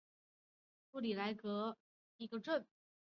布里蒂阿莱格雷是巴西戈亚斯州的一个市镇。